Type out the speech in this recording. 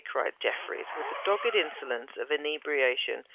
cried Jeffreys, with the dogged insolence of inebriation.